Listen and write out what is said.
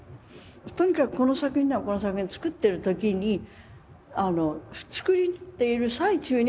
とにかくこの作品にはこの作品作ってる時に作っている最中に想いが湧くんです。